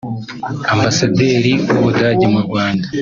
Ambasaderi w’u Budage mu Rwanda